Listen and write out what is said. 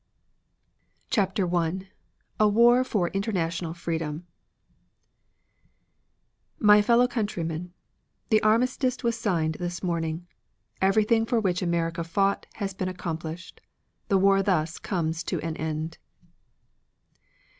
CHAPTER I A WAR FOR INTERNATIONAL FREEDOM "My FELLOW COUNTRYMEN: The armistice was signed this morning. Everything for which America fought has been accomplished. The war thus comes to an end."